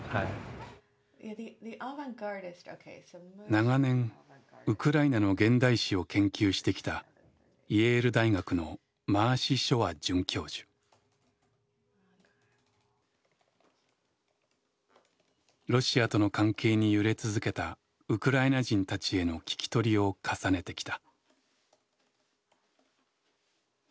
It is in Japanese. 長年ウクライナの現代史を研究してきたロシアとの関係に揺れ続けたウクライナ人たちへの聞き取りを重ねてきた。